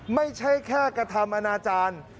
ไม่ใช่แค่กระทำอนาจารย์